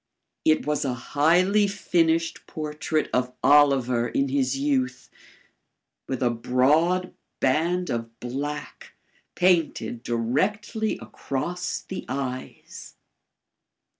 IT WAS A HIGHLY FINISHED PORTRAIT OF OLIVER IN HIS YOUTH, WITH A BROAD BAND OF BLACK PAINTED DIRECTLY ACROSS THE EYES.